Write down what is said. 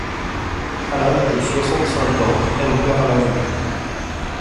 À l'âge de soixante-cinq ans, elle perd la vue.